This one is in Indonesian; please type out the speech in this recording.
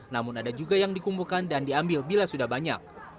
namun ada juga yang dikumpulkan dan diambil bila sudah banyak